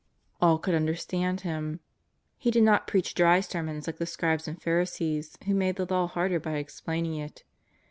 All could imderstand Him. He did not preach dry sermons like the Scribes and Pharisees, who made the I.aw harder by explaining it.